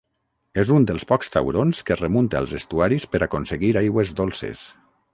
És un dels pocs taurons que remunta els estuaris per aconseguir aigües dolces.